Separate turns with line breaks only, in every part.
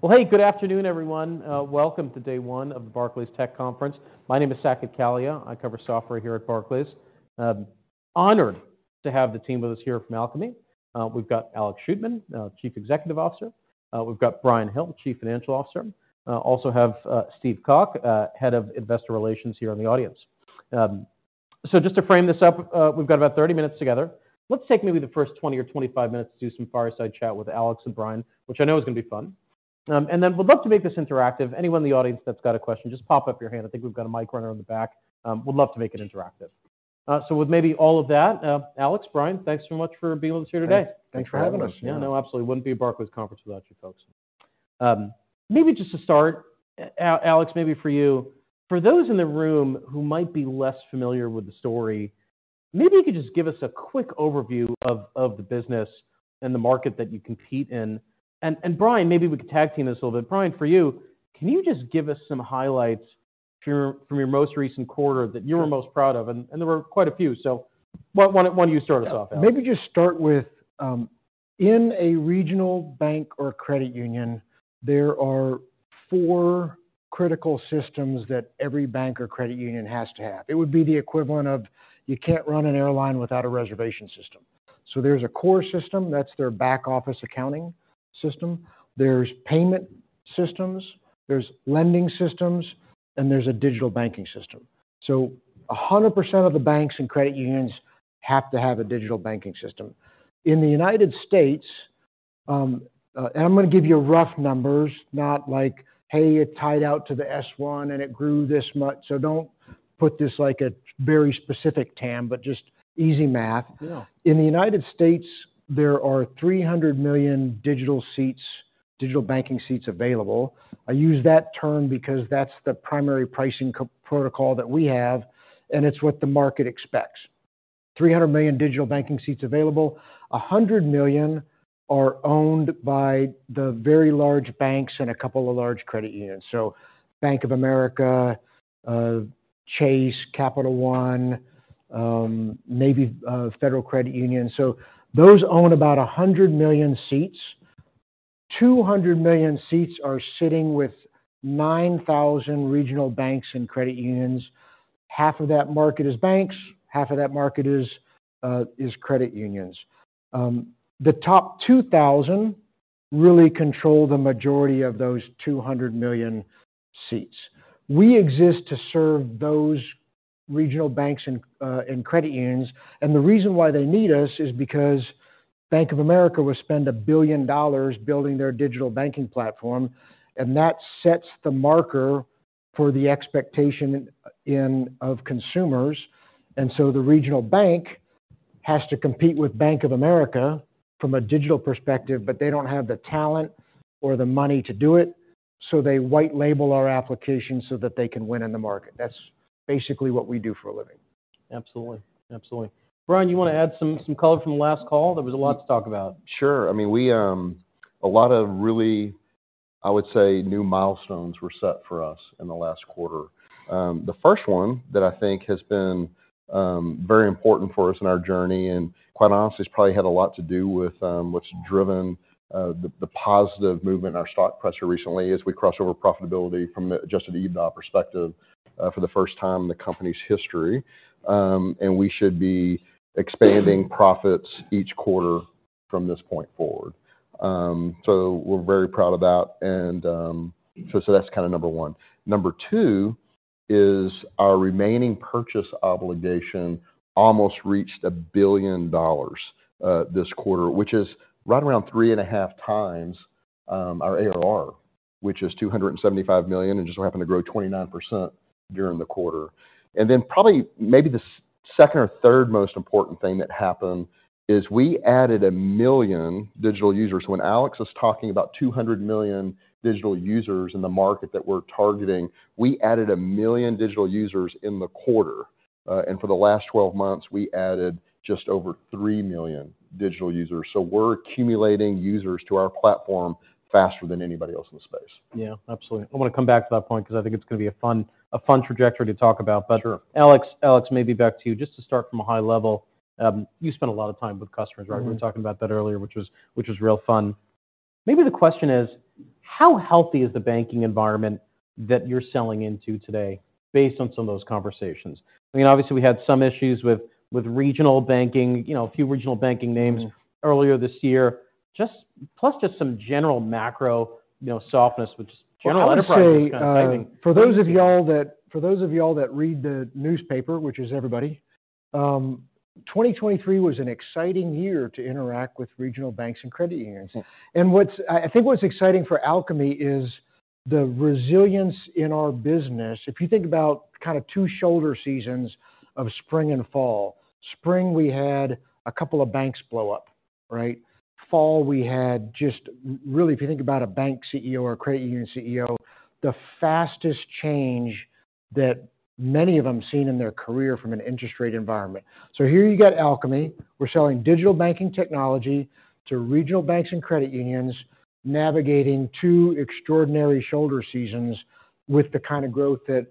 Well, hey, good afternoon, everyone. Welcome to day one of the Barclays Tech Conference. My name is Saket Kalia. I cover software here at Barclays. Honored to have the team with us here from Alkami. We've got Alex Shootman, Chief Executive Officer. We've got Bryan Hill, Chief Financial Officer. Also have Steve Calk, Head of Investor Relations here in the audience. So just to frame this up, we've got about 30 minutes together. Let's take maybe the first 20 or 25 minutes to do some fireside chat with Alex and Bryan, which I know is gonna be fun. And then would love to make this interactive. Anyone in the audience that's got a question, just pop up your hand. I think we've got a mic runner in the back. Would love to make it interactive. So with maybe all of that, Alex, Bryan, thanks so much for being with us here today.
Thanks for having us.
Yeah. No, absolutely. Wouldn't be a Barclays conference without you folks. Maybe just to start, Alex, maybe for you, for those in the room who might be less familiar with the story, maybe you could just give us a quick overview of the business and the market that you compete in. And Bryan, maybe we can tag team this a little bit. Bryan, for you, can you just give us some highlights from your most recent quarter that you were most proud of? And there were quite a few, so why don't you start us off, Alex?
Maybe just start with, in a regional bank or credit union, there are four critical systems that every bank or credit union has to have. It would be the equivalent of you can't run an airline without a reservation system. So there's a core system, that's their back office accounting system. There's payment systems, there's lending systems, and there's a digital banking system. So 100% of the banks and credit unions have to have a digital banking system. In the United States, and I'm gonna give you rough numbers, not like, hey, it tied out to the S-1, and it grew this much. So don't put this like a very specific TAM, but just easy math.
Yeah.
In the United States, there are 300 million digital seats, digital banking seats available. I use that term because that's the primary pricing component that we have, and it's what the market expects. 300 million digital banking seats available. 100 million are owned by the very large banks and a couple of large credit unions. So Bank of America, Chase, Capital One, maybe, Federal Credit Union. So those own about 100 million seats. 200 million seats are sitting with 9,000 regional banks and credit unions. Half of that market is banks; half of that market is, is credit unions. The top 2,000 really control the majority of those 200 million seats. We exist to serve those regional banks and credit unions, and the reason why they need us is because Bank of America will spend $1 billion building their digital banking platform, and that sets the marker for the expectation of consumers. And so the regional bank has to compete with Bank of America from a digital perspective, but they don't have the talent or the money to do it, so they white label our application so that they can win in the market. That's basically what we do for a living.
Absolutely. Absolutely. Bryan, you want to add some, some color from the last call? There was a lot to talk about.
sure. I mean, we, a lot of really, I would say, new milestones were set for us in the last quarter. The first one that I think has been, very important for us in our journey, and quite honestly, it's probably had a lot to do with, what's driven, the positive movement in our stock price here recently, is we crossed over profitability from the Adjusted EBITDA perspective, for the first time in the company's history. And we should be expanding profits each quarter from this point forward. So we're very proud of that, and, so, that's kind of number one. Number two is our remaining purchase obligation almost reached $1 billion this quarter, which is right around 3.5x our ARR, which is $275 million, and just so happened to grow 29% during the quarter. And then probably, maybe the second or third most important thing that happened is we added one million digital users. When Alex was talking about 200 million digital users in the market that we're targeting, we added one million digital users in the quarter. And for the last twelve months, we added just over three million digital users. So we're accumulating users to our platform faster than anybody else in the space.
Yeah, absolutely. I wanna come back to that point because I think it's gonna be a fun, a fun trajectory to talk about.
sure.
But, Alex, Alex, maybe back to you. Just to start from a high level, you spent a lot of time with customers, right?
Mm-hmm.
We were talking about that earlier, which was real fun. Maybe the question is: how healthy is the banking environment that you're selling into today based on some of those conversations? I mean, obviously, we had some issues with regional banking, you know, a few regional banking names-
Mm.
earlier this year. Just plus just some general macro, you know, softness, which general enterprise is-
I would say, for those of you all that read the newspaper, which is everybody, 2023 was an exciting year to interact with regional banks and credit unions.
Yeah.
And what's I, I think what's exciting for Alkami is the resilience in our business. If you think about kind of two shoulder seasons of spring and fall, spring, we had a couple of banks blow up, right? Fall, we had just really, if you think about a bank CEO or a credit union CEO, the fastest change that many of them seen in their career from an interest rate environment. So here you get Alkami. We're selling digital banking technology to regional banks and credit unions, navigating two extraordinary shoulder seasons with the kind of growth that,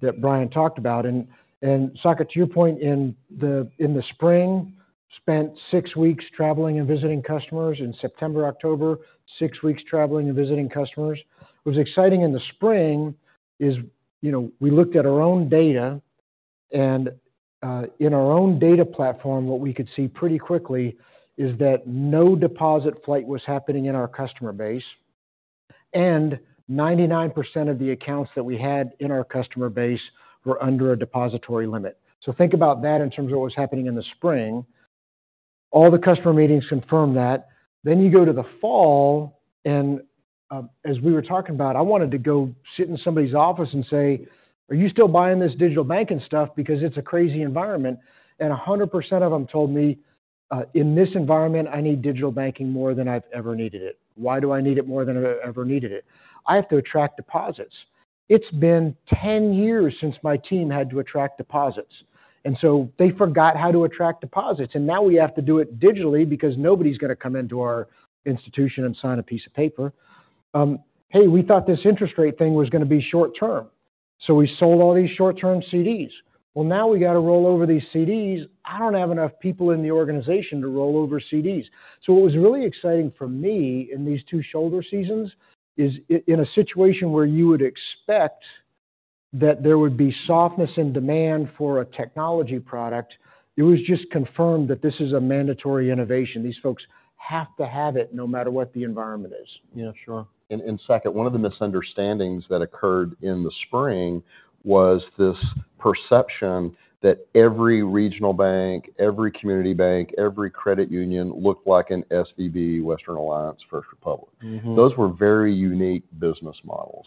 that Bryan talked about. And, and Saket, to your point, in the, in the spring, spent six weeks traveling and visiting customers. In September, October, six weeks traveling and visiting customers. What was exciting in the spring is, you know, we looked at our own data, and in our own data platform, what we could see pretty quickly is that no deposit flight was happening in our customer base, and 99% of the accounts that we had in our customer base were under a depository limit. So think about that in terms of what was happening in the spring. All the customer meetings confirmed that. Then you go to the fall, and as we were talking about, I wanted to go sit in somebody's office and say: "Are you still buying this digital banking stuff? Because it's a crazy environment." 100% of them told me, "In this environment, I need digital banking more than I've ever needed it. Why do I need it more than I've ever needed it? I have to attract deposits. It's been ten years since my team had to attract deposits, and so they forgot how to attract deposits, and now we have to do it digitally because nobody's going to come into our institution and sign a piece of paper. "Hey, we thought this interest rate thing was gonna be short term, so we sold all these short-term CDs. Well, now we got to roll over these CDs. I don't have enough people in the organization to roll over CDs." So what was really exciting for me in these two shoulder seasons is in a situation where you would expect that there would be softness in demand for a technology product, it was just confirmed that this is a mandatory innovation. These folks have to have it no matter what the environment is.
Yeah, sure.
And second, one of the misunderstandings that occurred in the spring was this perception that every regional bank, every community bank, every credit union looked like an SVB, Western Alliance, First Republic.
Mm-hmm.
Those were very unique business models.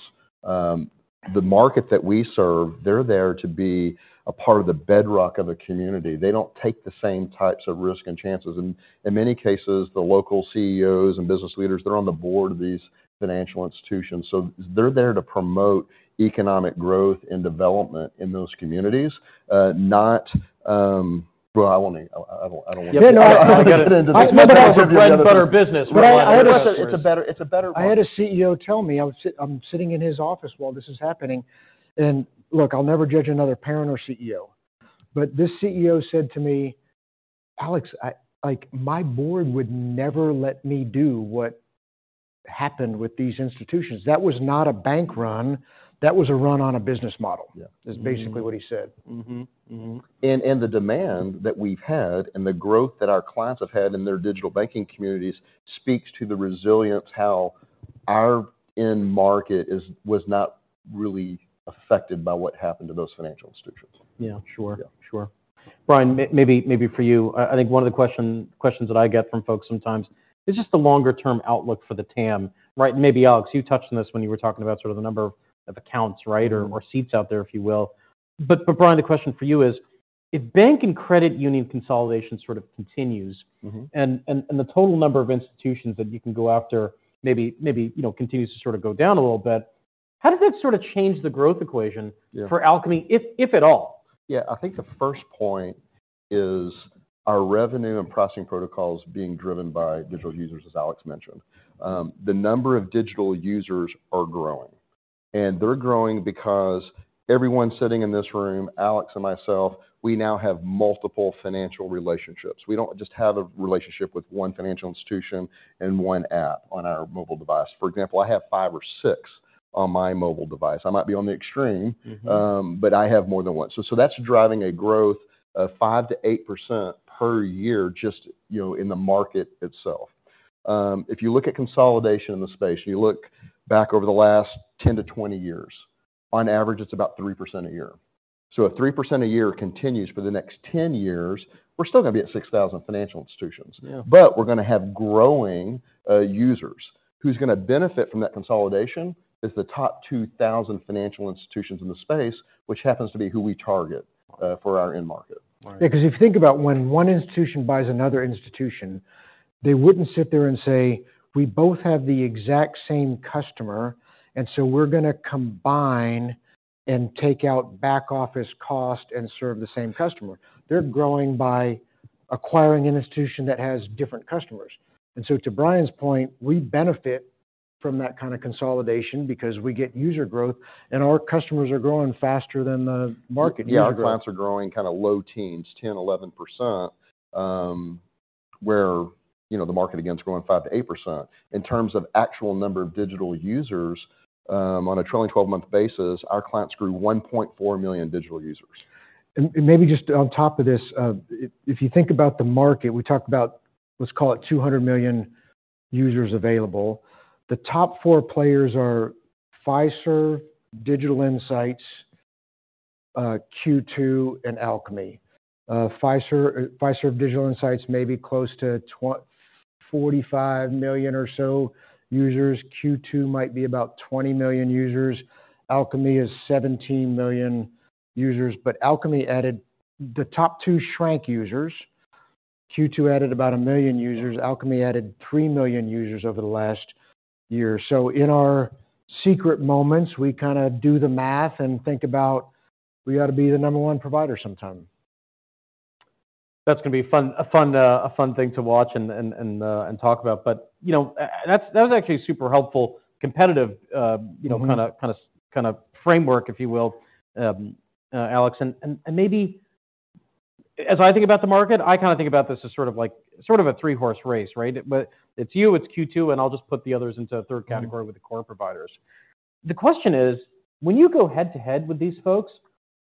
The market that we serve, they're there to be a part of the bedrock of a community. They don't take the same types of risk and chances, and in many cases, the local CEOs and business leaders, they're on the board of these financial institutions. So they're there to promote economic growth and development in those communities, not... I don't want to-
Yeah, no, I get it.
Get into this-
Bread and butter business. It's a betteri—
I had a CEO tell me, I was sitting in his office while this is happening, and look, I'll never judge another parent or CEO. But this CEO said to me, "Alex, I... Like, my board would never let me do what happened with these institutions. That was not a bank run. That was a run on a business model.
Yeah.
Is basically what he said.
Mm-hmm. Mm-hmm. And the demand that we've had and the growth that our clients have had in their digital banking communities speaks to the resilience, how our end market was not really affected by what happened to those financial institutions.
Yeah, sure.
Yeah.
sure. Bryan, maybe for you, I think one of the questions that I get from folks sometimes is just the longer-term outlook for the TAM, right? And maybe, Alex, you touched on this when you were talking about sort of the number of accounts, right?
Mm-hmm.
Or seats out there, if you will. But, Bryan, the question for you is, if bank and credit union consolidation sort of continues-
Mm-hmm...
the total number of institutions that you can go after maybe, maybe, you know, continues to sort of go down a little bit, how does that sort of change the growth equation?
Yeah...
for Alkami, if at all?
Yeah. I think the first point is our revenue and pricing protocols being driven by digital users, as Alex mentioned. The number of digital users are growing, and they're growing because everyone sitting in this room, Alex and myself, we now have multiple financial relationships. We don't just have a relationship with one financial institution and one app on our mobile device. For example, I have five or six on my mobile device. I might be on the extreme-
Mm-hmm...
but I have more than one. So that's driving a growth of 5%-8% per year, just, you know, in the market itself. If you look at consolidation in the space, you look back over the last 10-20 years, on average, it's about 3% a year. So if 3% a year continues for the next 10 years, we're still gonna be at 6,000 financial institutions.
Yeah.
But we're gonna have growing users. Who's gonna benefit from that consolidation is the top 2,000 financial institutions in the space, which happens to be who we target for our end market.
Right.
Yeah, because if you think about when one institution buys another institution, they wouldn't sit there and say: We both have the exact same customer, and so we're gonna combine and take out back-office cost and serve the same customer. They're growing by acquiring an institution that has different customers. And so to Bryan's point, we benefit from that kind of consolidation because we get user growth, and our customers are growing faster than the market-
Yeah, our clients are growing kind of low teens, 10, 11%. Where, you know, the market, again, is growing 5%-8%. In terms of actual number of digital users, on a trailing twelve-month basis, our clients grew 1.4 million digital users.
Maybe just on top of this, if you think about the market, we talked about, let's call it 200 million users available. The top four players are Fiserv, Digital Insight, Q2, and Alkami. Fiserv, Digital Insight may be close to 45 million or so users. Q2 might be about 20 million users. Alkami is 17 million users, but Alkami added... The top two shrank users. Q2 added about one million users. Alkami added three million users over the last year. So in our secret moments, we kinda do the math and think about we ought to be the number one provider sometime.
That's gonna be fun, a fun thing to watch and talk about. But, you know, that was actually super helpful, competitive.
Mm-hmm...
you know, kind of framework, if you will, Alex. And maybe as I think about the market, I kind of think about this as sort of like a three-horse race, right? But it's you, it's Q2, and I'll just put the others into a third category with the core providers. The question is, when you go head-to-head with these folks,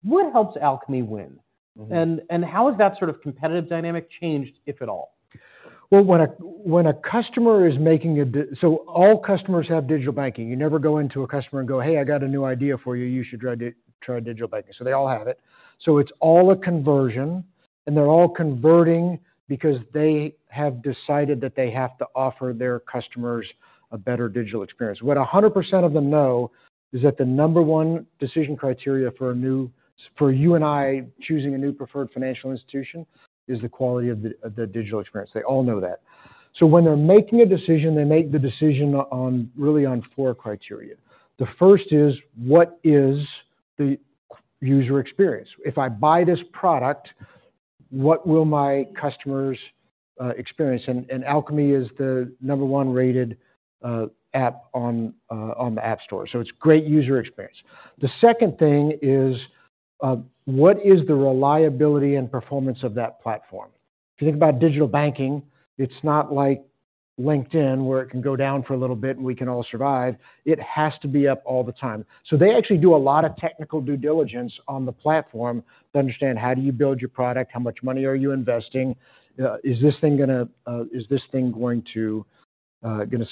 what helps Alkami win?
Mm-hmm.
And how has that sort of competitive dynamic changed, if at all?
Well, so all customers have digital banking. You never go into a customer and go, "Hey, I got a new idea for you, you should try digital banking." So they all have it. So it's all a conversion, and they're all converting because they have decided that they have to offer their customers a betteri digital experience. What 100% of them know is that the number one decision criteria for you and I choosing a new preferred financial institution is the quality of the digital experience. They all know that. So when they're making a decision, they make the decision, really, on four criteria. The first is: what is the user experience? If I buy this product, what will my customers experience? Alkami is the number one rated app on the App Store, so it's great user experience. The second thing is: what is the reliability and performance of that platform? If you think about digital banking, it's not like LinkedIn, where it can go down for a little bit and we can all survive. It has to be up all the time. So they actually do a lot of technical due diligence on the platform to understand how do you build your product, how much money are you investing? Is this thing gonna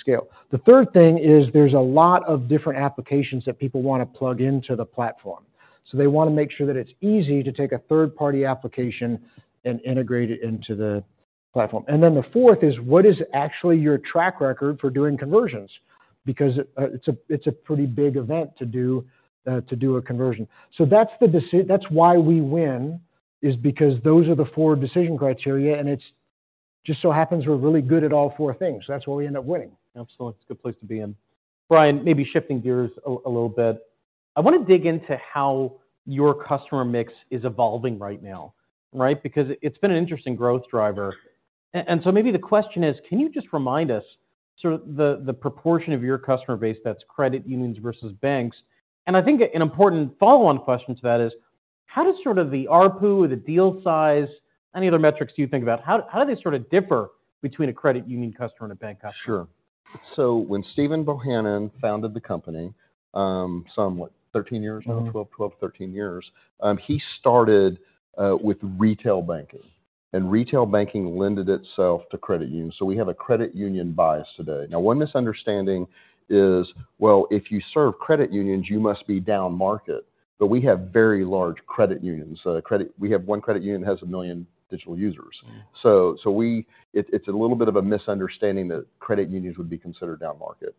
scale? The third thing is there's a lot of different applications that people want to plug into the platform. So they want to make sure that it's easy to take a third-party application and integrate it into the platform. Then the fourth is: what is actually your track record for doing conversions? Because it's a pretty big event to do a conversion. So that's the decision, that's why we win, is because those are the four decision criteria, and it's just so happens we're really good at all four things. So that's why we end up winning.
Absolutely. It's a good place to be in. Bryan, maybe shifting gears a little bit. I want to dig into how your customer mix is evolving right now, right? Because it's been an interesting growth driver. And so maybe the question is: can you just remind us sort of the proportion of your customer base that's credit unions versus banks? And I think an important follow-on question to that is: how does sort of the ARPU or the deal size, any other metrics you think about, how do they sort of differ between a credit union customer and a bank customer?
sure. So when Stephen Bohanon founded the company, somewhat, 13 years now?
Mm-hmm.
12, 12 to 13 years, he started with retail banking, and retail banking lended itself to credit unions, so we have a credit union bias today. Now, one misunderstanding is, well, if you serve credit unions, you must be downmarket. But we have very large credit unions. We have one credit union that has one million digital users.
Mm.
So, it's a little bit of a misunderstanding that credit unions would be considered downmarket.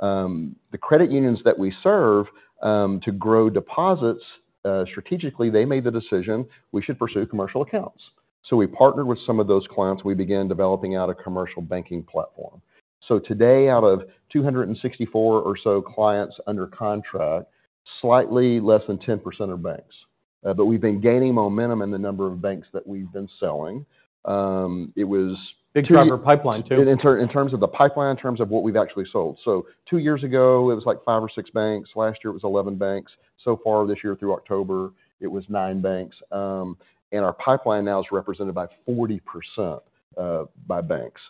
The credit unions that we serve, to grow deposits, strategically, they made the decision we should pursue commercial accounts. So we partnered with some of those clients, we began developing out a commercial banking platform. So today, out of 264 or so clients under contract, slightly less than 10% are banks. But we've been gaining momentum in the number of banks that we've been selling. It was-
Big driver pipeline, too.
In terms of the pipeline, in terms of what we've actually sold. So two years ago, it was like five or six banks. Last year, it was 11 banks. So far this year, through October, it was 9 banks. And our pipeline now is represented by 40% by banks.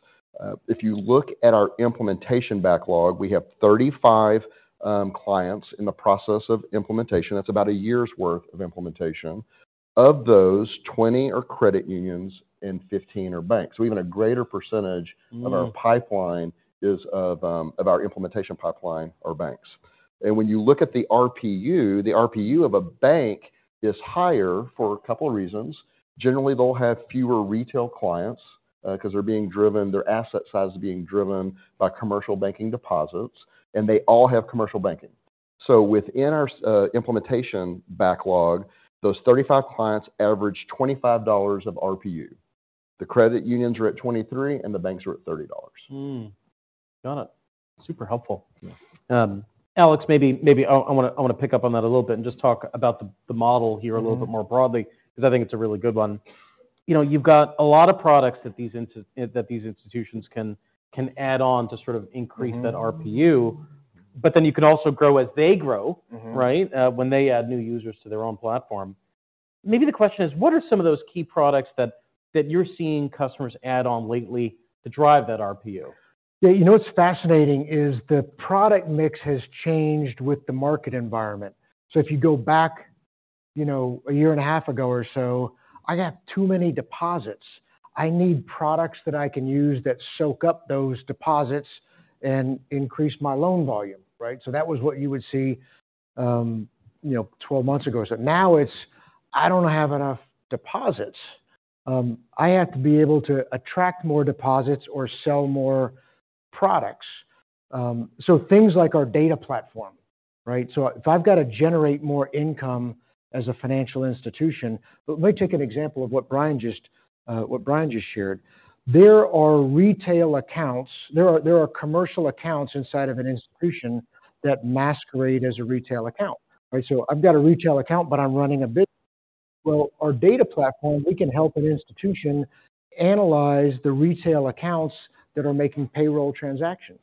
If you look at our implementation backlog, we have 35 clients in the process of implementation. That's about a year's worth of implementation. Of those, 20 are credit unions and 15 are banks. So even a greater percentage-
Mm...
of our pipeline is, of, of our implementation pipeline, are banks. And when you look at the RPU, the RPU of a bank is higher for a couple reasons. Generally, they'll have fewer retail clients, 'cause they're being driven, their asset size is being driven by commercial banking deposits, and they all have commercial banking. So within our implementation backlog, those 35 clients average $25 of RPU. The credit unions are at 23, and the banks are at $30.
Mm. Got it. Super helpful.
Yeah.
Alex, maybe I wanna pick up on that a little bit and just talk about the model here-
Mm-hmm...
a little bit more broadly, 'cause I think it's a really good one. You know, you've got a lot of products that these institutions can add on to sort of increase-
Mm-hmm...
that RPU, but then you can also grow as they grow.
Mm-hmm.
Right? When they add new users to their own platform. Maybe the question is: what are some of those key products that you're seeing customers add on lately to drive that RPU?
Yeah, you know, what's fascinating is the product mix has changed with the market environment. So if you go back, you know, a year and a half ago or so, I got too many deposits. I need products that I can use that soak up those deposits and increase my loan volume, right? So that was what you would see, you know, 12 months ago. So now it's: I don't have enough deposits. I have to be able to attract more deposits or sell more products. So things like our data platform, right? So if I've got to generate more income as a financial institution... Let me take an example of what Bryan just shared. There are retail accounts—there are commercial accounts inside of an institution that masquerade as a retail account. Right? So I've got a retail account, but I'm running a bit. Well, our data platform, we can help an institution analyze the retail accounts that are making payroll transactions,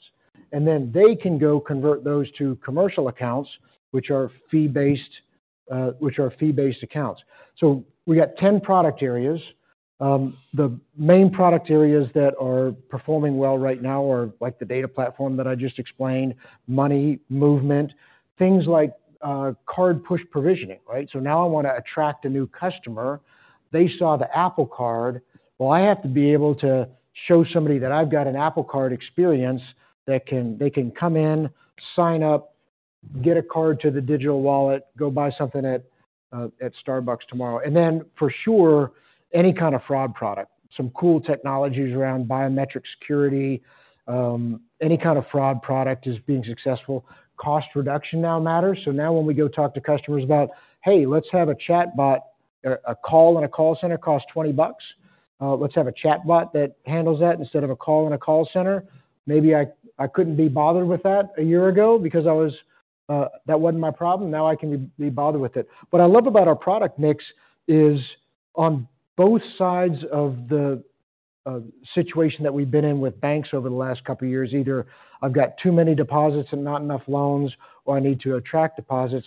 and then they can go convert those to commercial accounts, which are fee-based, which are fee-based accounts. So we got 10 product areas. The main product areas that are performing well right now are like the data platform that I just explained, money movement, things like, card push provisioning, right? So now I want to attract a new customer. They saw the Apple Card. Well, I have to be able to show somebody that I've got an Apple Card experience that can, they can come in, sign up, get a card to the digital wallet, go buy something at, at Starbucks tomorrow. And then, for sure, any kind of fraud product. Some cool technologies around biometric security, any kind of fraud product is being successful. Cost reduction now matters, so now when we go talk to customers about, "Hey, let's have a chatbot," a call in a call center costs $20. Let's have a chatbot that handles that instead of a call in a call center. Maybe I couldn't be bothered with that a year ago because that wasn't my problem. Now I can be bothered with it. What I love about our product mix is on both sides of the situation that we've been in with banks over the last couple of years, either I've got too many deposits and not enough loans, or I need to attract deposits.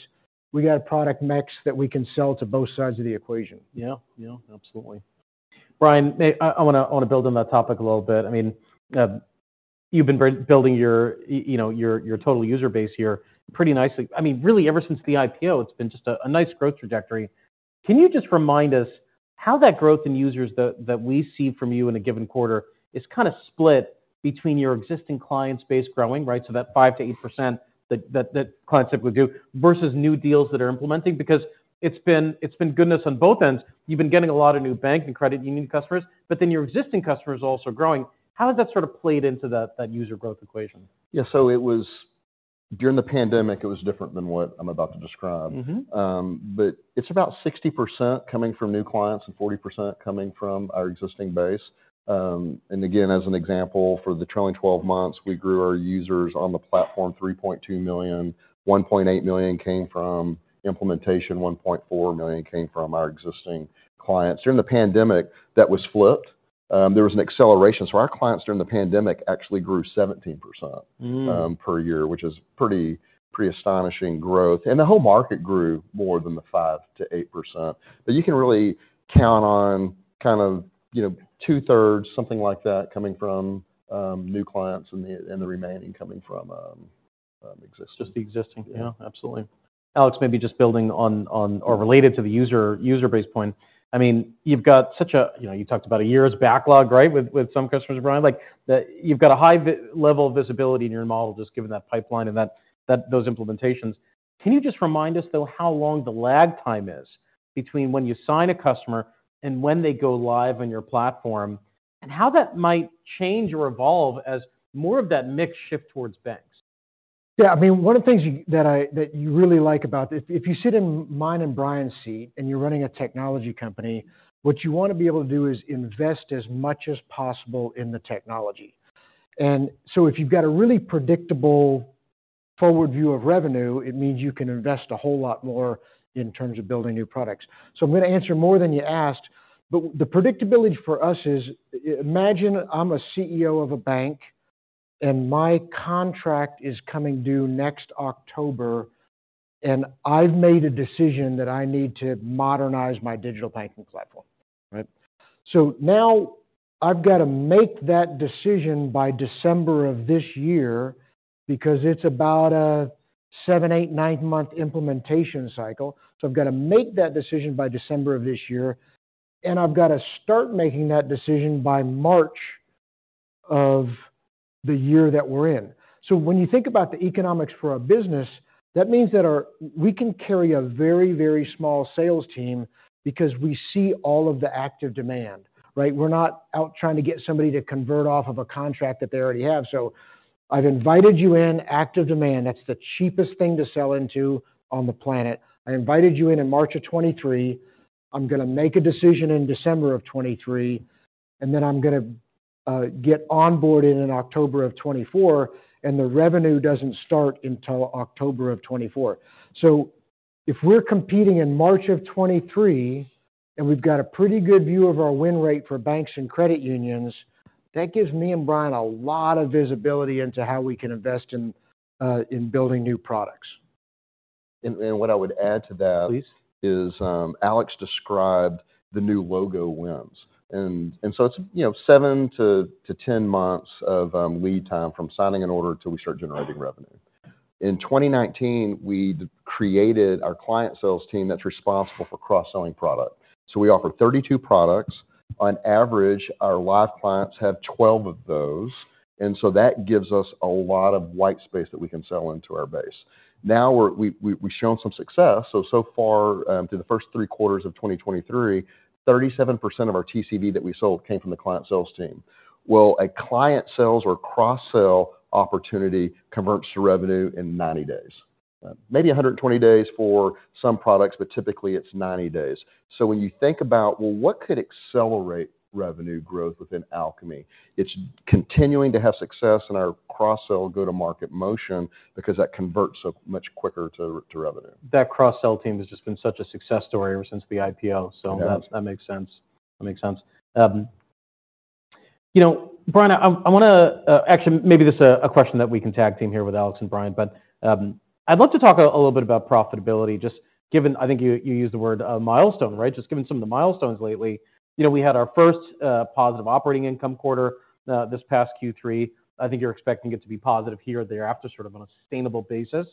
We got a product mix that we can sell to both sides of the equation.
Yeah. Yeah, absolutely. Bryan, may I, I wanna, I wanna build on that topic a little bit. I mean, you've been building your, you know, your, your total user base here pretty nicely. I mean, really, ever since the IPO, it's been just a, a nice growth trajectory. Can you just remind us how that growth in users that, that we see from you in a given quarter is kinda split between your existing client's base growing, right? So that 5%-8% that, that, that clients typically do, versus new deals that are implementing, because it's been, it's been goodness on both ends. You've been getting a lot of new bank and credit union customers, but then your existing customer is also growing. How has that sort of played into that, that user growth equation?
Yeah, so it was... During the pandemic, it was different than what I'm about to describe.
Mm-hmm.
But it's about 60% coming from new clients and 40% coming from our existing base. And again, as an example, for the trailing twelve months, we grew our users on the platform 3.2 million, 1.8 million came from implementation, 1.4 million came from our existing clients. During the pandemic, that was flipped. There was an acceleration, so our clients during the pandemic actually grew 17%-
Mm.
per year, which is pretty, pretty astonishing growth. And the whole market grew more than the 5%-8%. But you can really count on kind of, you know, two-thirds, something like that, coming from new clients and the remaining coming from existing.
Just the existing.
Yeah.
Yeah, absolutely. Alex, maybe just building on,
Yeah...
or related to the user, user base point. I mean, you've got such a, you know, you talked about a year's backlog, right, with some customers, Bryan. Like, you've got a high level of visibility in your model, just given that pipeline and that those implementations. Can you just remind us, though, how long the lag time is between when you sign a customer and when they go live on your platform, and how that might change or evolve as more of that mix shift towards banks?
Yeah, I mean, one of the things that you really like about this, if you sit in mine and Bryan's seat and you're running a technology company, what you want to be able to do is invest as much as possible in the technology. And so if you've got a really predictable forward view of revenue, it means you can invest a whole lot more in terms of building new products. So I'm gonna answer more than you asked, but the predictability for us is, imagine I'm a CEO of a bank, and my contract is coming due next October, and I've made a decision that I need to modernize my digital banking platform, right? So now I've got to make that decision by December of this year because it's about a 7-, 8-, 9-month implementation cycle. So I've got to make that decision by December of this year, and I've got to start making that decision by March of the year that we're in. So when you think about the economics for our business, that means that our... we can carry a very, very small sales team because we see all of the active demand, right? We're not out trying to get somebody to convert off of a contract that they already have. So I've invited you in, active demand, that's the cheapest thing to sell into on the planet. I invited you in in March of 2023. I'm gonna make a decision in December of 2023, and then I'm gonna get onboarding in October of 2024, and the revenue doesn't start until October of 2024. So if we're competing in March of 2023, and we've got a pretty good view of our win rate for banks and credit unions, that gives me and Bryan a lot of visibility into how we can invest in building new products.
what I would add to that-
Please...
is, Alex described the new logo wins. And so it's, you know, 7-10 months of lead time from signing an order till we start generating revenue. In 2019, we created our client sales team that's responsible for cross-selling product. So we offer 32 products. On average, our live clients have 12 of those, and so that gives us a lot of white space that we can sell into our base. Now, we've shown some success, so far, through the first three quarters of 2023, 37% of our TCV that we sold came from the client sales team. Well, a client sales or cross-sell opportunity converts to revenue in 90 days. Maybe 120 days for some products, but typically it's 90 days. So when you think about, well, what could accelerate revenue growth within Alkami? It's continuing to have success in our cross-sell go-to-market motion because that converts so much quicker to revenue.
That cross-sell team has just been such a success story ever since the IPO.
Yeah.
So that makes sense. That makes sense. You know, Bryan, I wanna actually, maybe this is a question that we can tag team here with Alex and Bryan. But I'd love to talk a little bit about profitability, just given, I think you used the word milestone, right? Just given some of the milestones lately. You know, we had our first positive operating income quarter this past Q3. I think you're expecting it to be positive hereafter, sort of on a sustainable basis.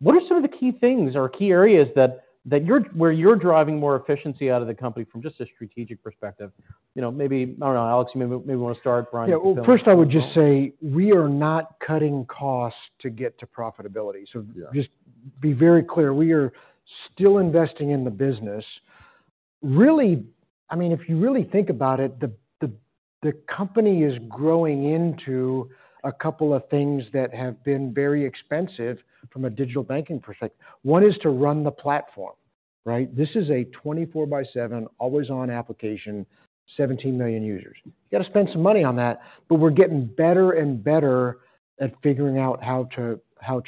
What are some of the key things or key areas that you're where you're driving more efficiency out of the company from just a strategic perspective? You know, maybe, I don't know, Alex, you maybe, maybe wanna start, Bryan.
Yeah. Well, first I would just say, we are not cutting costs to get to profitability.
Yeah.
So just be very clear, we are still investing in the business. Really, I mean, if you really think about it, the company is growing into a couple of things that have been very expensive from a digital banking perspective. One is to run the platform, right? This is a 24 by 7, always-on application, 17 million users. You gotta spend some money on that, but we're getting betteri and betteri at figuring out how to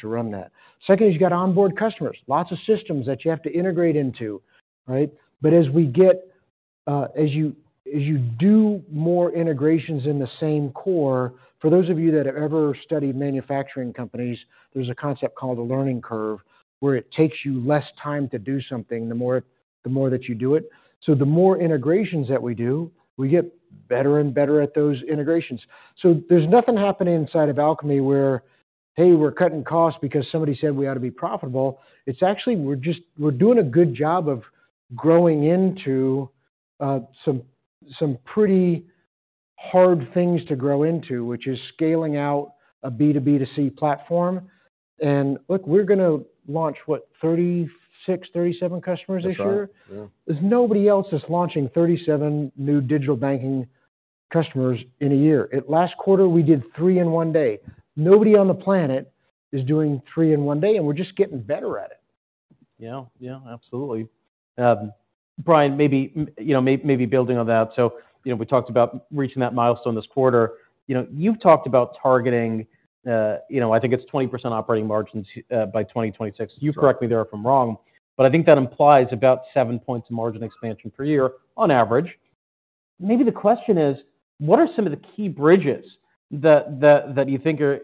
run that. Second, is you've got to onboard customers. Lots of systems that you have to integrate into, right? But as we get, as you do more integrations in the same core, for those of you that have ever studied manufacturing companies, there's a concept called the learning curve, where it takes you less time to do something the more that you do it. So the more integrations that we do, we get betteri and betteri at those integrations. So there's nothing happening inside of Alkami where, "Hey, we're cutting costs because somebody said we ought to be profitable." It's actually, we're just doing a good job of growing into some pretty hard things to grow into, which is scaling out a B to B to C platform. And look, we're gonna launch, what? 36-37 customers this year.
That's right. Yeah.
There's nobody else that's launching 37 new digital banking customers in a year. At last quarter, we did three in one day. Nobody on the planet is doing three in one day, and we're just getting betteri at it.
Yeah. Yeah, absolutely. Bryan, maybe building on that. So, you know, we talked about reaching that milestone this quarter. You know, you've talked about targeting, you know, I think it's 20% operating margins by 2026.
That's right.
You correct me there if I'm wrong, but I think that implies about seven points of margin expansion per year on average. Maybe the question is, what are some of the key bridges that you think are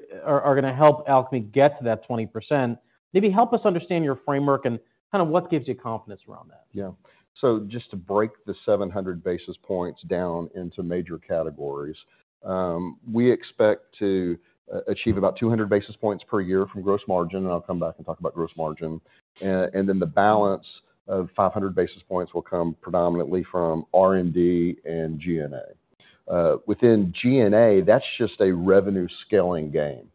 gonna help Alkami get to that 20%? Maybe help us understand your framework and kind of what gives you confidence around that.
Yeah. So just to break the 700 basis points down into major categories, we expect to achieve about 200 basis points per year from gross margin, and I'll come back and talk about gross margin. And then the balance of 500 basis points will come predominantly from R&D and G&A. Within G&A, that's just a revenue scaling game.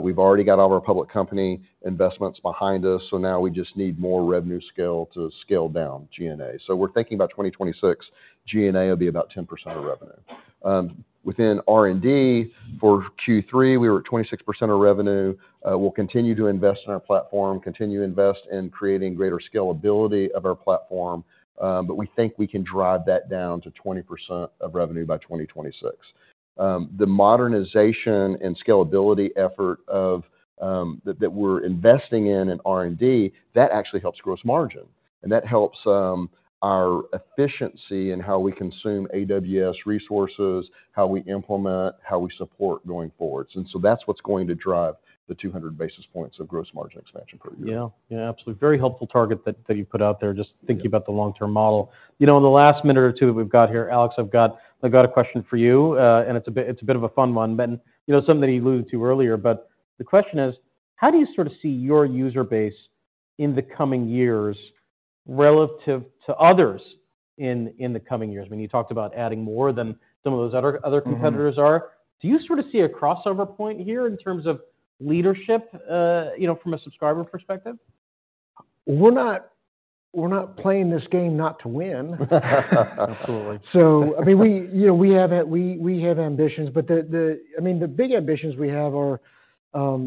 We've already got all of our public company investments behind us, so now we just need more revenue scale to scale down G&A. So we're thinking about 2026, G&A will be about 10% of revenue. Within R&D, for Q3, we were at 26% of revenue. We'll continue to invest in our platform, continue to invest in creating greater scalability of our platform, but we think we can drive that down to 20% of revenue by 2026. The modernization and scalability effort that we're investing in, in R&D, that actually helps gross margin, and that helps our efficiency in how we consume AWS resources, how we implement, how we support going forward. And so that's what's going to drive the 200 basis points of gross margin expansion per year.
Yeah. Yeah, absolutely. Very helpful target that you put out there, just-
Yeah...
thinking about the long-term model. You know, in the last minute or two that we've got here, Alex, I've got a question for you, and it's a bit of a fun one. You know, something that you alluded to earlier, but the question is: how do you sort of see your user base in the coming years relative to others in the coming years? When you talked about adding more than some of those other competitors are-
Mm-hmm.
Do you sort of see a crossover point here in terms of leadership, you know, from a subscriber perspective?
We're not, we're not playing this game not to win.
Absolutely.
So, I mean, we, you know, we have ambitions, but the... I mean, the big ambitions we have are, for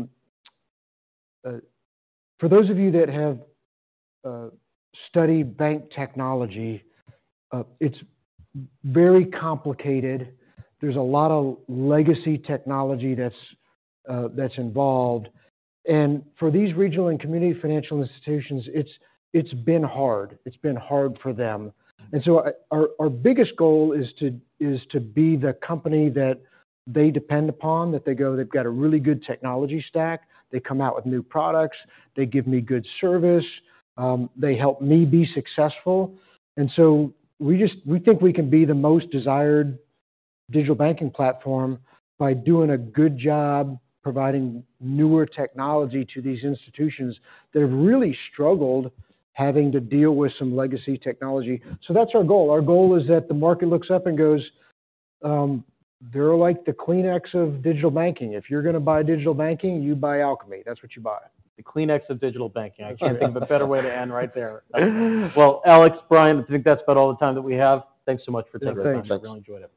those of you that have studied bank technology, it's very complicated. There's a lot of legacy technology that's involved. And for these regional and community financial institutions, it's been hard. It's been hard for them. And so our biggest goal is to be the company that they depend upon, that they go, "They've got a really good technology stack. They come out with new products, they give me good service, they help me be successful." And so we think we can be the most desired digital banking platform by doing a good job providing newer technology to these institutions that have really struggled having to deal with some legacy technology. So that's our goal. Our goal is that the market looks up and goes, "They're like the Kleenex of digital banking. If you're gonna buy digital banking, you buy Alkami. That's what you buy.
The Kleenex of digital banking.
That's right.
I can't think of a better way to end right there. Well, Alex, Bryan, I think that's about all the time that we have. Thanks so much for taking the time.
Yeah, thanks.
Thanks.
I really enjoyed it.